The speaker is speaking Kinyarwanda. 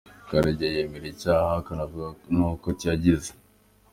Karegeye yemera icyaha akanavuga ko n’uko yagize.